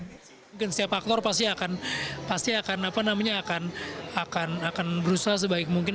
mungkin setiap aktor pasti akan berusaha sebaik mungkin